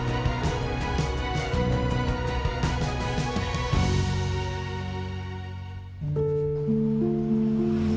seorang pembawa kaki yang berusaha mencari keuntungan